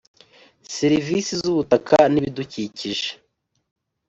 serivisi z ubutaka n ibidukikije